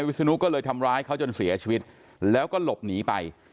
ศนุก็เลยทำร้ายเขาจนเสียชีวิตแล้วก็หลบหนีไป